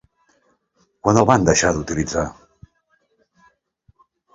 Quan el van deixar d'utilitzar?